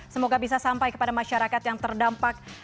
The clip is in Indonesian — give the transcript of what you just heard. semoga bisa sampai kepada masyarakat yang terdampak